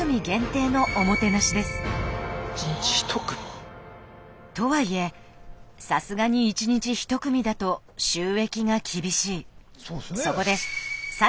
１日１組。とはいえさすがに１日１組だと収益が厳しい。